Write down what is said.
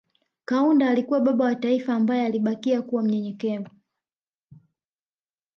Kaunda alikuwa baba wa taifa ambaye alibakia kuwa mnyenyekevu